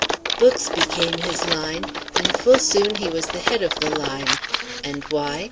Books became his line, and full soon he was the head of the line. And why?